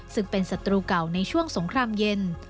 ซึ่งเป็นศัตรูเก่าในช่วงสงครามเย็น